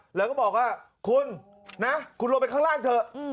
แล้วก็บอกว่าคุณนะคุณลงไปข้างล่างเถอะ